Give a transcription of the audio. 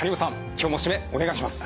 今日もシメお願いします。